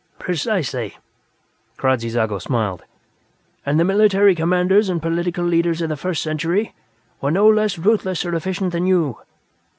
"Precisely." Kradzy Zago smiled. "And the military commanders and political leaders of the First Century were no less ruthless or efficient than you.